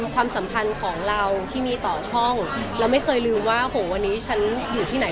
ความสัมพันธ์ของเราที่มีต่อช่องเราไม่เคยลืมว่าโหวันนี้ฉันอยู่ที่ไหน